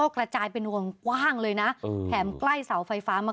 กระจายเป็นวงกว้างเลยนะแถมใกล้เสาไฟฟ้ามาก